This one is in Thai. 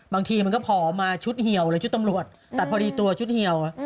บางทีมันก็พอมาชุดเฮียวชุดตำรวจตัดพอดีตัวชุดเฮียว